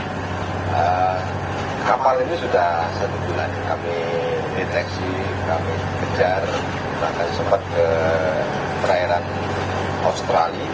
nah kapal ini sudah satu bulan kami deteksi kami kejar bahkan sempat ke perairan australia